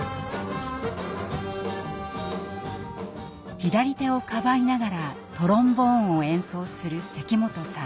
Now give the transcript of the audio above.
左手をかばいながらトロンボーンを演奏する関本さん。